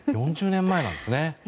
４０年前なんです。